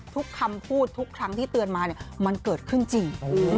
ทุกคำพูดทุกครั้งที่เตือนมามันเกิดขึ้นจริง